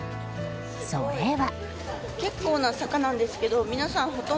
それは。